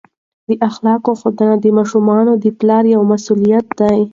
د اخلاقو ښودنه د ماشومانو د پلار یوه مسؤلیت دی.